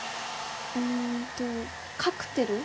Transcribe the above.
うんとカクテル？